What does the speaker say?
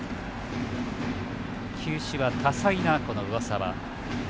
球種は多彩な上沢。